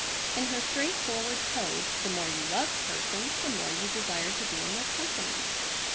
In her straightforward code the more you loved persons the more you desired to be in their company.